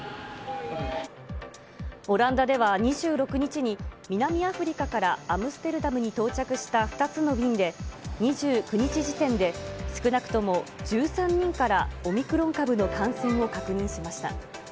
オランダでは２６日に、南アフリカからアムステルダムに到着した２つの便で、２９日時点で、少なくとも１３人からオミクロン株の感染を確認しました。